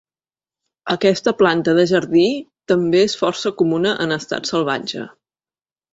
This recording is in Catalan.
Aquesta planta de jardí també és força comuna en estat salvatge.